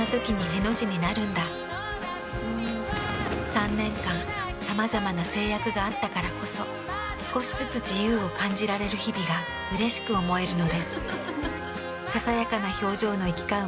３年間さまざまな制約があったからこそ少しずつ自由を感じられる日々がうれしく思えるのです。